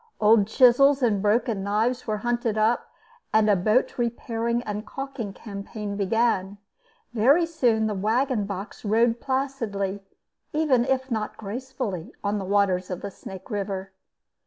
Old chisels and broken knives were hunted up, and a boat repairing and calking campaign began. Very soon the wagon box rode placidly, even if not gracefully, on the waters of the Snake River.